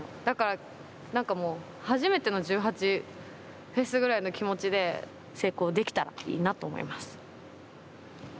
だから何かもう初めての１８祭ぐらいの気持ちで成功できたらいいなと思います。